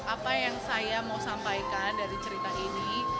apa yang saya mau sampaikan dari cerita ini